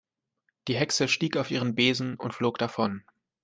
Die Hexe stieg auf ihren Besen und flog davon.